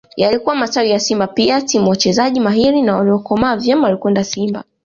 Yalikuwa matawi ya Simba pia timu wachezaji mahiri na waliokomaa vyema walikwenda Simba